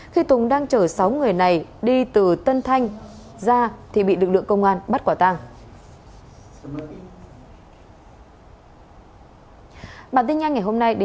khi tùng đang chở sáu người này đi từ tân thanh ra thì bị lực lượng công an bắt quả tàng